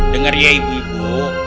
dengar ya ibu ibu